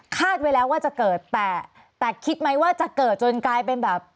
ไว้แล้วว่าจะเกิดแต่แต่คิดไหมว่าจะเกิดจนกลายเป็นแบบ